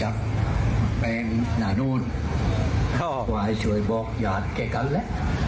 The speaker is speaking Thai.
เขาออกมาให้ช่วยบอกหยาดแก่กันแหละ